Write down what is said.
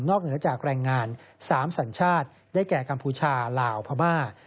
เหนือจากแรงงาน๓สัญชาติได้แก่กัมพูชาลาวพม่า